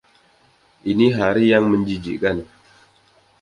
Ini hari yang menjijikkan.